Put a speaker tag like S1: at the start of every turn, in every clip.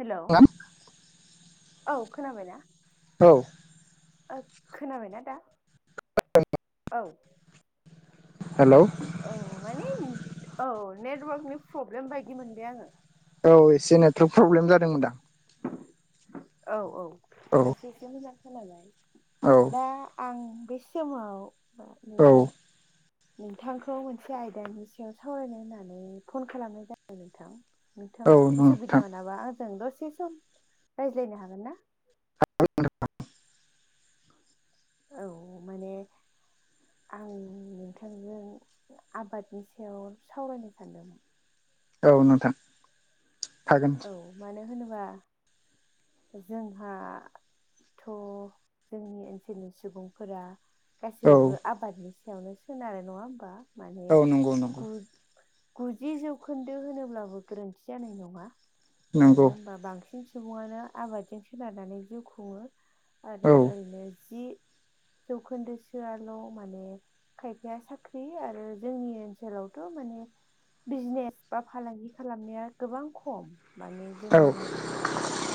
S1: हेल' औ खोनाबायना?
S2: औ
S1: खोनाबायना दा औ
S2: हेल'
S1: औ माने औ नेटवारकनि प्रब्लेम बायदि मोनबाय आङो
S2: औ एसे नेटवार्क प्रब्लेम जादोंमोनदां
S1: औ औ
S2: औ
S1: दासो एसे मोजां खोनाबाय
S2: औ
S1: दा आं बे समाव माने
S2: औ
S1: नोंथांखौ मोनसे आयदानि सायाव सावरायनो होननानै फन खालामनाय जादों नोंथां
S2: औ
S1: नोंथाङा
S2: नोंथां
S1: असुबिदा मोनाबा आंजों दसे सम रायज्लायनो हागोन ना
S2: [unintelligible]
S1: औ माने आं नोंथांजों आबादनि सायाव सावरायनो सानदोंमोन।
S2: औ नोंथां हागोन।
S1: औ मानो होनोबा जोंहा थ' जोंनि ओनसोलनि सुबुंफोरा
S2: औ
S1: गासैबो आबादनि सायावनो सोनार नङा होमबा माने
S2: औ नंगौ नंगौ
S1: गु गुजि जौखोन्दो होनोब्लाबो गोरोन्थि जानाय नङा। मानो
S2: नंगौ
S1: होमबा बांसिन सुबुङानो आबादजों सोनारनानै जिउ खुङो। आरो
S2: औ
S1: ओरैनो जि जौखोन्दोसोआल' माने खायफाया साख्रि आरो जोंनि ओनसोलावथ' माने बिजनेस बा फालांगि खालामनाया गोबां खम माने
S2: औ
S1: जोंनि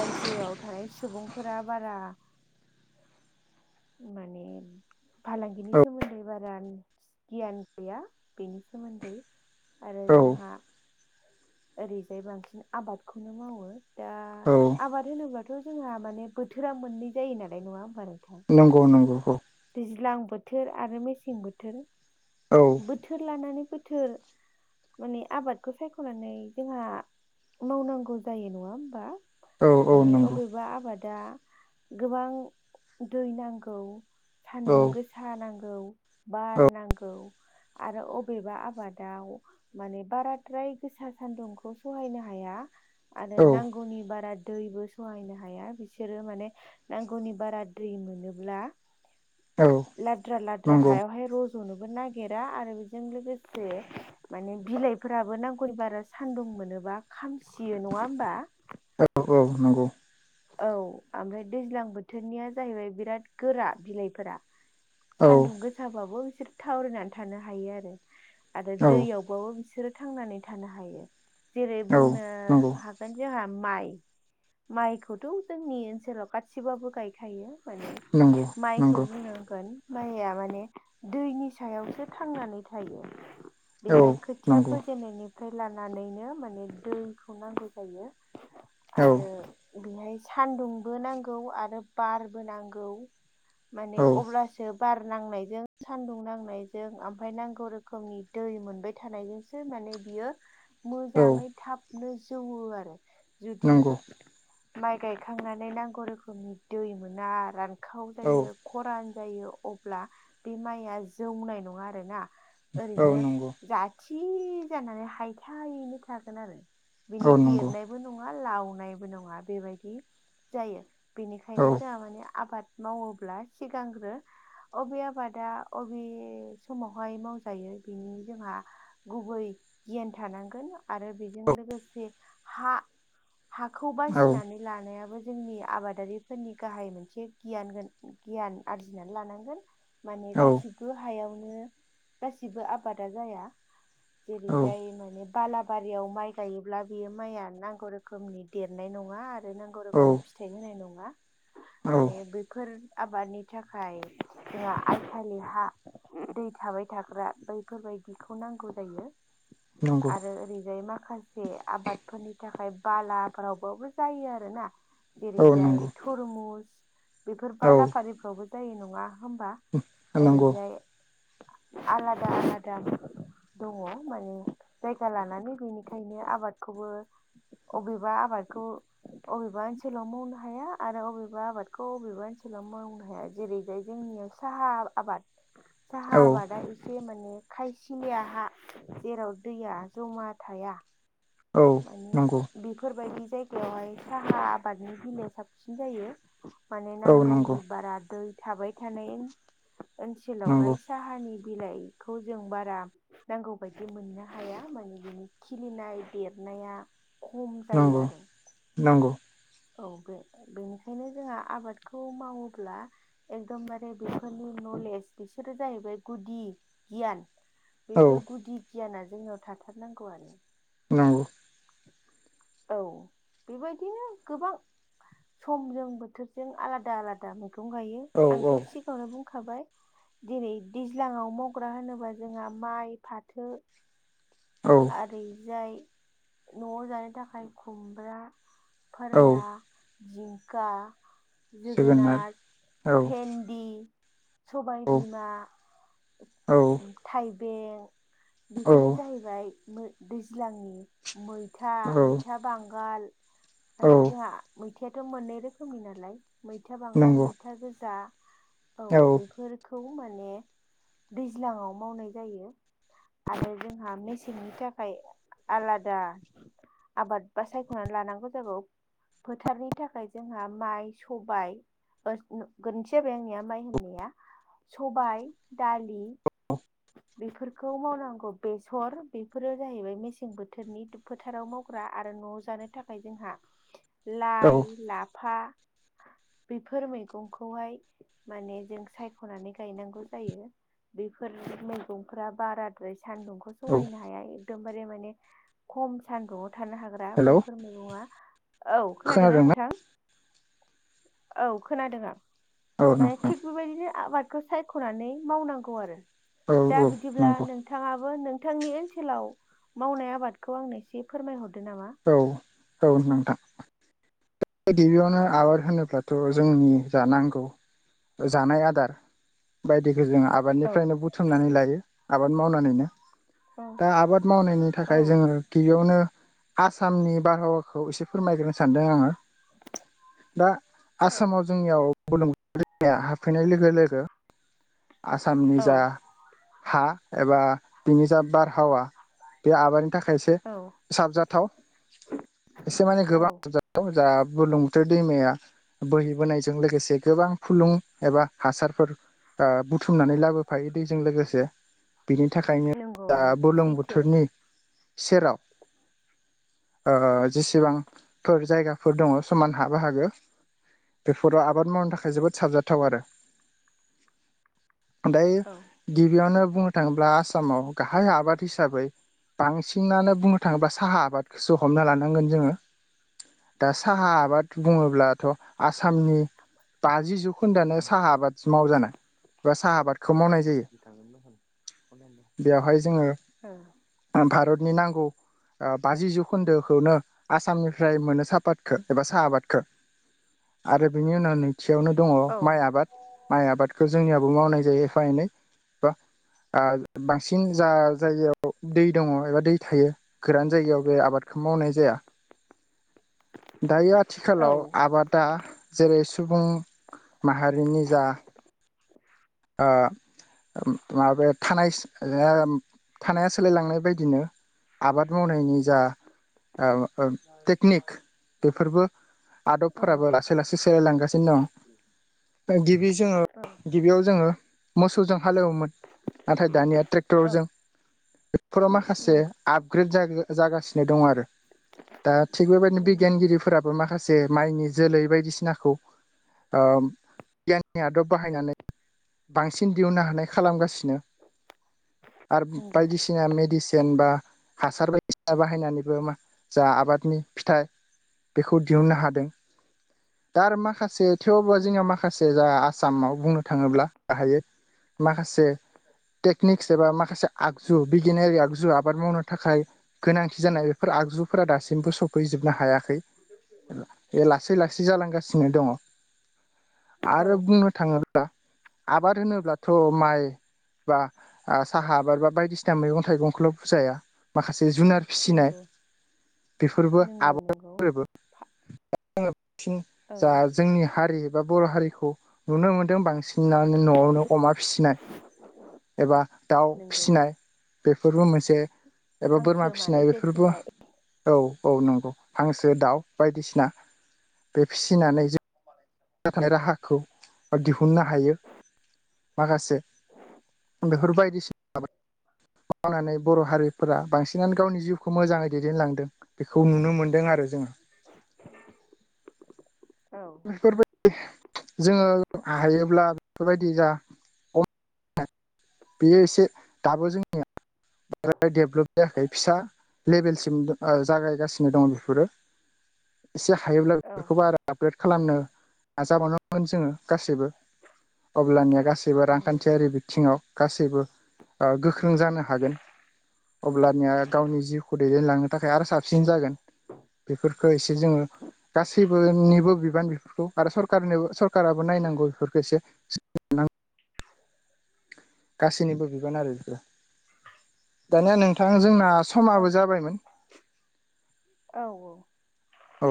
S1: रायजोआव थानाय सुबुंफोरा बारा माने फालांगिनि सोमोन्दै बारा गियान गैया बेनि सोमोन्दै आरो
S2: औ
S1: जोंहा ओरैजाय बांसिन आबादखौनो मावो दा
S2: औ
S1: आबाद होनोब्लााथ' जोंहा माने बोथोरा मोननै जायो नालाय नङा होम्बा नोंथां
S2: नंगौ नंगौखौ
S1: दैज्लां बोथोर आरो मेसें बोथोर
S2: औ
S1: बोथोर लानानै बोथोर माने आबादखौ सायख'नानै जोंहा मावनांगौ जायो नङा होम्बा
S2: औ औ
S1: माने
S2: नंगौ
S1: अबेबा आबादा गोबां दै नांगौ
S2: औ
S1: सान्दुं गोसा नांगौ बार नांगौ आरो अबेबा आबादाव माने बाराद्राय गोसा सान्दुंखौ सहायनो हाया आरो
S2: औ
S1: नांगौनि बारा दैबो सहायनो हाया बिसोरो माने नांगौनि बारा दै मोनोब्ला
S2: औ
S1: लाद्रा लाद्रा
S2: नंगौ
S1: हायावहाय रज'नोबो नागिरा आरो बेजों लोगोसे माने बिलाइफोराबो नांगुर बारा सान्दुं मोनोबा खामसियो नङा होम्बा
S2: औ औ नंगौ
S1: औ ओमफ्राय दैज्लां बोथोरनिया जाहैबाय बिराद गोरा बिलाइफोरा
S2: औ
S1: सान्दुं गोसाबाबो बिसोर थावरायनानै थानो हायो आरो आरो
S2: औ
S1: दैयाव बिसोरो थांनानै थानो हायो जेरै बुंनो
S2: नंगौ
S1: ह ओंनो जोंहा माइ माइखौथ' जोंनि ओनसोलाव गासिबो गायखायो माने
S2: नंगौ
S1: माइखौ
S2: नंगौ
S1: बुंनोहोगोन माइया माने दैनि सायावसो थांनानै थायो
S2: औ
S1: बेहाय खोथिया
S2: नंगौ
S1: फोजेननायनि फ्राय लानानैनो माने दैखौ नांगौ जायो
S2: औ
S1: आरो बेहाय सान्दुंबो नांगौ आरो बारबो नांगौ माने
S2: औ
S1: अब्लासो बार नांनायजों सान्दुं नांनायजों ओमफफ्राय नांगौ रोखोमनि दै मोनबाय थानायजों माने बियो मोजाङै थाबनो जौओ आरो जुदि
S2: नंगौ
S1: माइ गायखांनानै नांगौ रोखोमनि दै मोना रानखाव
S2: औ
S1: जायो खरान जायो अब्ला बे माइया जौनाय नङा आरोना।
S2: औ
S1: ओरैनो
S2: नंगौ
S1: जाथि जानानै हायथायैनो थागोन आरो। बिनि
S2: औ नंगौ
S1: देरनायबो नङा लावनायबो नङा बेबायदि जायो। बेनिखायनो
S2: औ
S1: जोंहा माने आबाद मावोब्ला सिगांग्रो अबे आबादा बबे समावहाय मावजायो बिनि जोंहा गुबै गियान थानांगोन। आरो बेजों लोगोसे हा हाखौ
S2: औ
S1: बासि- नानै लानायाबो जोंनि आबादारिफोरनि गाहाय मोनसे गियान गियान आरजिनानै लानांगोन। माने
S2: औ
S1: गासिबो हायावनो गासिबो आबादा जाया। जेरै
S2: औ
S1: जाय माने बालाबारियाव माइ गायोब्ला बेयो माइआ नांगौ रोखोमनि देरनाय नङा न आरो नांगौ
S2: औ
S1: रोखोमनि फिथाइ होनाय नङा
S2: औ
S1: माने बेफोर आबादनि थाखाय जोंहा आइखालि हा दै थाबाय थाग्रा बैफोरबायदिखौ नांगौ जायो
S2: नंगौ
S1: आरो ओरैजाय माखासे आबादफोरनि थाखाय बालाफोरावबो जायो आरोना जेरै
S2: औ
S1: जाय
S2: नंगौ
S1: थरमुस बेफोर
S2: औ
S1: बालाफारिफ्रावबो जायो नङा होम्बा
S2: नंगौ
S1: ओरैजाय आलादा आलादा दङ माने जायगा लानानै बेनिखायनो आबादखौबो अबेबा आबादखौ अबेबा ओनसोलाव मावनो हाया आरो अबेबा आबादखौ अबेबा ओनसोलाव मावनो हाया। जेरै जाय जोंनियाव साहा आबाद
S2: औ
S1: साहा आबादा- इसे माने खायसिलिया हा जेराव दैया जमा थाया।
S2: औ
S1: माने
S2: नंगौ
S1: बेफोरबायदि जायगायावहाय साहा आबादनि बिलाया साबसिन जायो। माने
S2: औ
S1: नांगौनि
S2: नंगौ
S1: बारा दै थाबाय थानाय
S2: नंगौ
S1: ओनसोलावहाय साहानि बिलाइखौ जों बारा नांगौ बायदि मोननो हाया माने बिनि खिलिनाय देरनाया खम जायो
S2: नंगौ
S1: आरो
S2: नंगौ।
S1: औ बे-बेनिखायनो जोंहा आबादखौ मावोब्ला एकदमबारे बेफोरनि नलेज बिसोरो जाहैबाय गुदि गियान।
S2: औ
S1: बेफोर गुदि गियाना जोंनाव थाथारनांगौ आरो।
S2: नंगौ।
S1: औ बेबायदिनो गोबां समजों बोथोरजों आलादा-आलादा मैगं गायो।
S2: औ
S1: आंथ' सि- गांआवनो बुंखाबाय दिनै दैज्लाङाव मावग्रा होनोबा जोंहा माइ, फाथो
S2: औ
S1: आरि जाय न'आव जानो थाखाय खुमब्रा,
S2: औ
S1: फोरला जिंखा, जोगोनार,
S2: औ
S1: भेन्दि सबाय
S2: औ
S1: बिमा,
S2: औ
S1: थाइबें
S2: औ
S1: बेफोरो जाहै- बाय दै-दैज्लांनि मैथा,
S2: औ
S1: मैथा बांगाल
S2: औ
S1: माने जोंहा मैथायाथ' मोननै रोखोमनि नालाय मैथा बांगाल
S2: नंगौ
S1: मैथा गोजा। औ
S2: औ
S1: बेफोर- खौ माने दैज्लांआव मावनाय जायो आरो जोंहा मे- सेंनि थाखाय आलादा आबाद बा सायख'नानै लानांगौ जायबा- फोथारनि थाखाय जोंहा माइ, सबाय [unintelligible] गोरोन्थि जाबाय आंनिया माइ होननाया सबाय, दालि बेफोरखौ मावनांगौ बेसर बेफोरो जाहैबाय मेसें बोथोरनि फोथाराव मावग्रा आरो न'आव जानो थाखाय जोंहा
S2: औ
S1: लाइ-लाफा बेफोर मैगंखौहाय माने जों सायख'नानै गायनांगौ जायो। बेफोर मैगंफोरा बाराद्राय सान्दुंखौ
S2: औ
S1: सहायनो हाया एकदमबारे माने खम सानदुङाव थानो हागोन बा
S2: हेलौ
S1: बैफोर मैगङा औ खोनादोंना नोंथां। औ खोनादों आं
S2: औ
S1: माने
S2: नोंथां
S1: थिग बेबायदिनो आबाद खो सायख'नानै मावनांगौ आरो
S2: औ
S1: दा
S2: औ
S1: बिदिब्ला
S2: नंगौ
S1: नोंथाङाबो नोंथांनि ओनसो हेलाव मावनाय आबादखौ आंनो एसे फोरमायहरदो नामा?
S2: औ औ नोंथां। बे गिबियावनो आबाद होनोब्लाथ' जोंनि जा नांगौ जानाय आदार बायदिखो जों
S1: औ
S2: आबादनिफ्रायनो बुथुमनानै लायो आबाद मावनानैनो।
S1: औ
S2: दा आबाद मावनायनि थाखाय जोङो गिबियावनो आसामनि बारहावाखौ एसे फोरमायग्रोनो सानदों आङो। दा
S1: औ
S2: आसामाव जोंनियाव बुरलुंबुथुर दैमाया हाबफैनाय लोगो-लोगो आसामनि
S1: औ
S2: जा हा एबा बिनि जा बारहावा। बे आबादनि थाखाय एसे
S1: औ
S2: साबजाथाव। एसे माने
S1: औ
S2: गोबां जा बुरलुंबुथुर दैमाया बोहैबोनायजों लोगोसे गोबां फुलुं एबा हासारफोर ओ बुथुमनानै लाबोफायो दैजों लोगोसे। बिनि थाखायनो
S1: नंगौ
S2: दा
S1: नों सैथो
S2: बुरलुंबुथुरनि सेराव ओ जेसिबांफोर जायगाफोर दङ समान हा बाहागो बेफोराव आबाद मावनो थाखाय जोबोद साबजाथाव आरो ओमफाय
S1: औ
S2: गिबियावनो बुंनो थाङोब्ला आसामाव गाहाय आबाद हिसाबै बांसिनानो बुंनो थाङोब्ला साहा आबादखोसो हमना लानांगोन जोङो। दा साहा आबाद बुङोब्लाथ' आसामनि बाजि जौखोन्दोआानो साहा आबाद मावजानाय। बा साहा आबादखौ मावनाय जायो बेवहाय
S1: औ
S2: जोङो भारतनि नांगौ ओ बाजि जौखोन्दोखौनो आसामनिफ्राय मोनो सापादखो एबा साहा आबादखो। आरो बिनि उनाव नैथियावनो दङ माइ आबाद माइ आबाद खो जोंनियाबो मावनाय जायो एफा एनै बा ओ बांसिन जा जायगायाव दै दङ एबा दै थायो। गोरान जायगायाव बे आबादखौ मावनाय जाया। दायो
S1: औ
S2: आथिखालाव
S1: ओ
S2: आबादा जेरै सुबुं माहारिनि जा ओ माबाया थानायस ओ थानाया सोलायलांनाय बायदिनो आबाद मावनायनि जा ओ टेकनिक। बेफोरबो आदबफोराबो
S1: औ
S2: लासै लासै सोलायलांगासिनो दं। गिबि जोङो गिबियाव जोङो मोसौजों हालौवोमोन। नाथाय दानिया
S1: औ
S2: ट्रेक्टरजों। बेफोराव माखासे आपग्रेड जाग-जागासिनो दं आरो। दा थिग बेबायदिनो
S1: नंगौ
S2: बिगियानगिरिफोराब माखासे माइनि जोलै बायदिसिनाखौ ओ गियाननि आदब बाहायनानै बांसिन दिहुननो हानाय खालामगासिनो आरो
S1: नंगौ नंगौ
S2: बायदिसि ना बायदिसिना मेडिसेन बा हासार बायदिसिना बाहायनानैबो जा आबादनि फिथाइ बेखौ दिहुननो हादों दा आरो माखासे थेवबो
S1: उम
S2: जोंनियाव माखासे जा आसामाव बुंनो थाङोब्ला गाहायै माखासे टेकनिक्स एबा माखासे आगजु बिगियानारि आगजु आबाद मावनो थाखाय गोनांथि जानाय। फोर आगजुफोरा दासिमबो सफैजोबनो हायाखै लासै लासै जालांगासिनो दङ
S1: औ
S2: आरो बुंनो थाङोब्ला आबाद होनोब्लाथ' माइ बा साहा ओ आबाद बा बायदिसिना मैगं थाइगंखौल' फुजाया माखासे जुनार फिसिनाय
S1: नंगौ
S2: बेफोरबो
S1: नंगौ
S2: आबाद
S1: नंगौ
S2: [unintelligible] ङो बांसिन
S1: औ
S2: जा जोंनि हारि बा बर' हारिखौ नुनो मोनो। बांसिनानो न'आवनो अमा फिनाय एबा दाउ
S1: नंगौ
S2: फिनाय। बेफोरबो मोनसे एबा बोरमा
S1: हांसो
S2: फिनाय
S1: मानैसो
S2: बेफोरबो
S1: फिनाय
S2: औ औ नंगौ हांसो दाउ बायदिसिना बे फिसिनानै ज थानाय राहाखौ दिहुननो हायो माखासे बेफोर बायदिसिना [unintelligible] मावनानै बर' हारिफोरा बांसिनानो गावनि जिउखौ मोजाङै दैदेनलांदों। बेखौ नुनो मोन्दों आरो जोंङो।
S1: [unintelligible] औ
S2: बेफोरबायदि जोङो हायोब्ला बेफोरबायदि जा बेयो एसे दाबो जोंनिया डेभलप जायाखै फिसा लेभेलसिम उम जागायगासिनो दं बेफोरो।
S1: [inaudible]
S2: एसे हायोब्ला
S1: औ
S2: बेफोरखौबो आरो आपग्रेड खालामनो नाजाबावनांगोन जोङो गासैबो। अब्लानिया गासैबो
S1: नंगौ
S2: रांखान्थियारि बिथिङाव गासैबो ओ गोख्रों जानो हागोन अब्लानिया गावनि जिउखौ दैदेनलांनो थाखाय आरो साबसिन जागोन बेफोरफोरखौ एसे जोंङो गासैबोनिबो बिबान बेफोरखौ आरो सरखारनोबो सरखाराराबो नायनांगौ बेफोरखौ एसे। गासैनिबो बिबान आरो बेफोर दानिया नोंथां जोंना
S1: औ
S2: समाबो जाबायमोन।
S1: औ औ।
S2: औ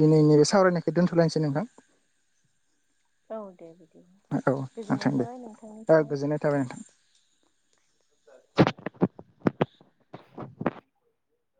S2: दिनै नैबे सावरायनायखौ दोन्थ'लायनोसै नोंथां।
S1: औ दे बिदि
S2: औ
S1: गोजोननाय
S2: नोंथां दे
S1: थाबाय नोंथांनिसिम।
S2: गोजोननाय थाबाय नोंथां।
S1: [unintelligible]